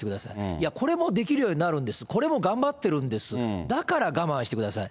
いや、これもできるようになるんです、これも頑張ってるんです、だから我慢してください。